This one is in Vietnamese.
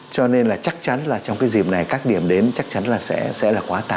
cho nên là chắc chắn là trong cái dịp này các điểm đến chắc chắn là sẽ quá tàn